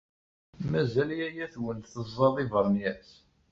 Mazal yaya-twen teẓẓaḍ iberniyas?